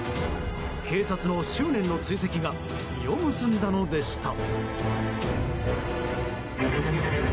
警察の執念の追跡が実を結んだのでした。